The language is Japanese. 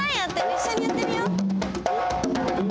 いっしょにやってみよう。